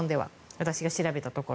私が調べたところ。